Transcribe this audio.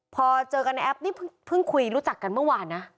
พอเจอกันในแอปนี่เพิ่งคุยรู้จักกันเมื่อวานนะ